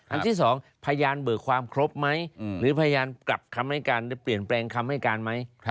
ที่๒พยานเบิกความครบไหมหรือพยานกลับคำให้การหรือเปลี่ยนแปลงคำให้การไหม